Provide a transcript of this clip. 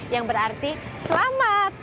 yang berarti selamat